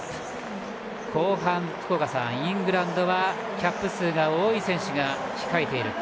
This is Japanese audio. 後半、福岡さんイングランドはキャップ数が多い選手が控えている。